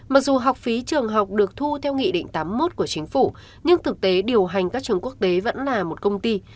mặc dù học phí trường học được thu theo nghị định tám mươi một của chính phủ nhưng thực tế điều hành các trường quốc tế vẫn là một công ty